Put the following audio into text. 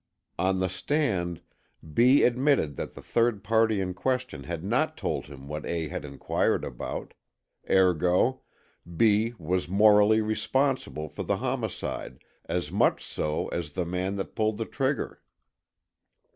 On the stand B. admitted that the third party in question had not told him what A. had inquired about. Ergo: B. was morally responsible for the homicide, as much so as the man that pulled the trigger.